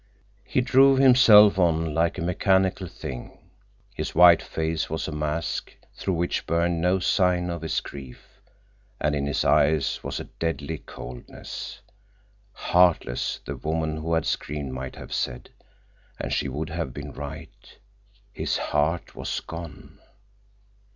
He drove himself on like a mechanical thing. His white face was a mask through which burned no sign of his grief, and in his eyes was a deadly coldness. Heartless, the woman who had screamed might have said. And she would have been right. His heart was gone.